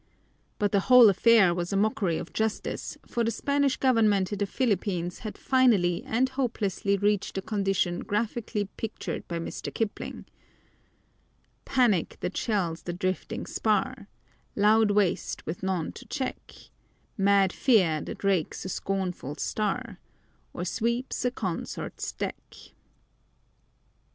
But the whole affair was a mockery of justice, for the Spanish government in the Philippines had finally and hopelessly reached the condition graphically pictured by Mr. Kipling: Panic that shells the drifting spar Loud waste with none to check Mad fear that rakes a scornful star Or sweeps a consort's deck!